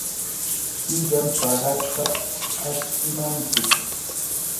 Killam paqaspa achkimanchik.